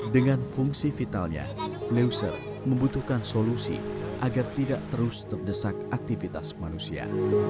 dengan fungsi vitalnya leuser membutuhkan solusi agar tidak terus terdesak aktivitas manusia